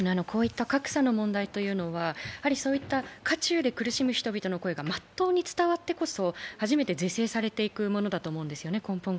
こういった格差の問題というのは渦中で苦しむ人々の声がまっとうに伝わってこそ初めて根本から是正されていくと思うんですよ。